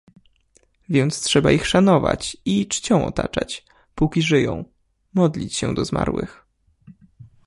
"Więc trzeba ich szanować i czcią otaczać, póki żyją, modlić się do zmarłych."